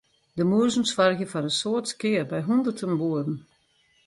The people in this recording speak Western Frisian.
De mûzen soargje foar in soad skea by hûnderten boeren.